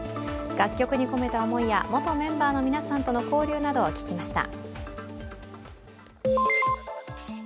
楽曲に込めた思いや元メンバーの皆さんとの交流などを聞きました。